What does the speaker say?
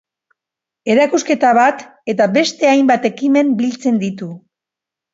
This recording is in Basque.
Erakusketa bat eta beste hainbat ekimen biltzen ditu.